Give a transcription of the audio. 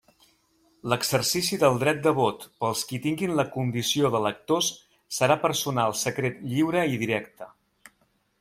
L'exercici del dret de vot pels qui tinguin la condició d'electors serà personal, secret, lliure i directe.